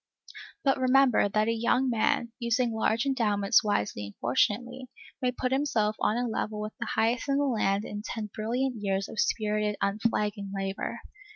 But remember, that a young man, using large endowments wisely and fortunately, may put himself on a level with the highest in the land in ten brilliant years of spirited, unflagging labor.